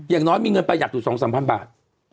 อย่างน้อยมีเงินประหยัดอยู่๒๓๐๐บาท